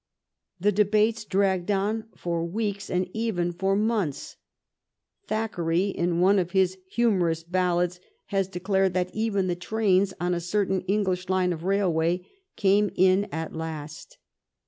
The debates dragged on for weeks and even for months. Thackeray, in one of his humorous ballads, has declared that even the trains on a certain English line of railway come in at last.